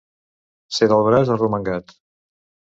Ser del braç arromangat.